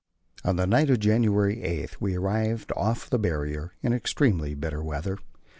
On the night of January 8 we arrived off the Barrier in extremely bitter weather.